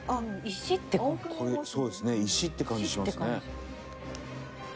石って感じしますね。